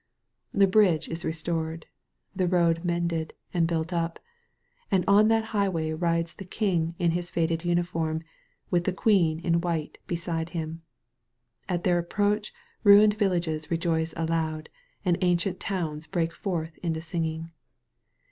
The bridge is restored, the road mended and built up, and on that highway rides the King in hb faded uniform with the Queen in white beside him. At their approach ruined villages rejoice aloud and ancient towns break forth into singing.